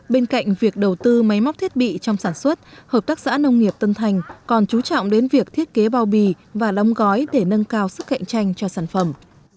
bên cạnh việc đầu tư máy móc thiết bị trong sản xuất hợp tác xã nông nghiệp tân thành còn chú trọng đến việc thiết kế bao bì và lông gói để nâng cao sức cạnh tranh cho sản phẩm